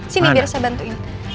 sini biar saya bantuin